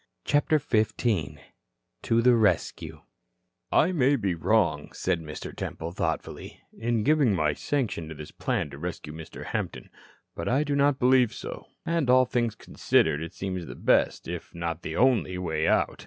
CHAPTER XV TO THE RESCUE "I may be wrong," said Mr. Temple, thoughtfully, "in giving my sanction to this plan to rescue Mr. Hampton. But I do not believe so. And, all things considered, it seems the best if not the only way out.